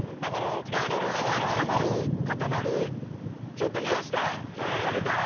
ちょっと冷やした食べたおいしい。